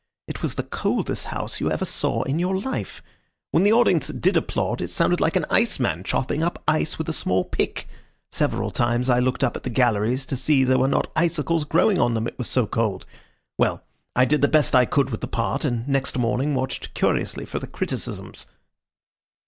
It was the coldest house you ever saw in your life. When the audience did applaud, it sounded like an ice man chopping up ice with a small pick. Several times I looked up at the galleries to see if there were not icicles growing on them, it was so cold. Well, I did the best could with the part, and next morning watched curiously for the criticisms."